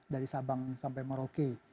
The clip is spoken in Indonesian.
dari sabang sampai merauke